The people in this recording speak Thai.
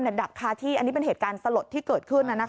ระดับท้าที่เป็นเหตุการณ์สลดที่เกิดขึ้น